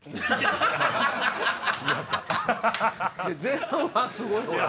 前半はすごいほら。